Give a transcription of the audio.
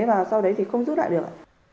và sau đấy thì không rút lại được